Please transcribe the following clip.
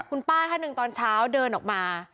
คุณป้าท่านหนึ่งตอนเช้าเดินออกมา